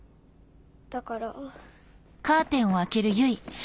だから。